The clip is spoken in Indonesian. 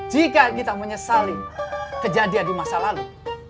jika kita menyesali kejadian di masa lalu